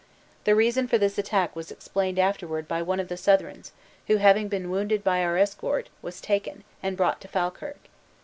The reason for this attack was explained afterward by one of the Southrons, who, having been wounded by our escort, was taken, and brought to Falkirk.